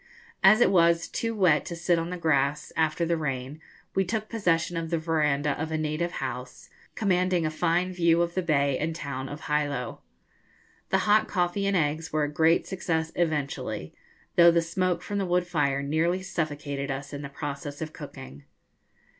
As it was too wet to sit on the grass after the rain, we took possession of the verandah of a native house, commanding a fine view of the bay and town of Hilo. The hot coffee and eggs were a great success eventually, though the smoke from the wood fire nearly suffocated us in the process of cooking.